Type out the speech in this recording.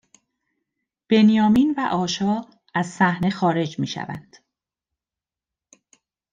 بنیامین و آشا از صحنه خارج می شوند